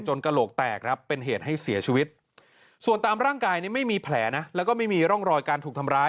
กระโหลกแตกครับเป็นเหตุให้เสียชีวิตส่วนตามร่างกายนี่ไม่มีแผลนะแล้วก็ไม่มีร่องรอยการถูกทำร้าย